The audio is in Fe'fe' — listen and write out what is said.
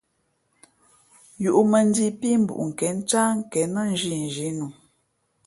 Yūʼmᾱnjīī pí mbuʼnkěn ncáh nkěn nά nzhinzhǐ nu.